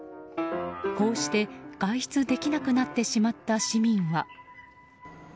こうして外出できなくなってしまった市民は。